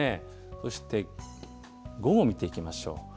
そして、午後見ていきましょう。